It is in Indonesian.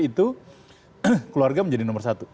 itu keluarga menjadi nomor satu